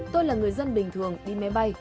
tôi là người dân bình thường đi máy bay